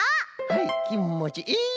はいきもちいい！